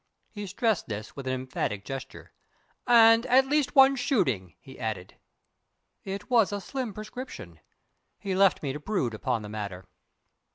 He stressed this with emphatic gesture. "And at least one shooting," he added. It was a slim prescription. He left me to brood upon the matter.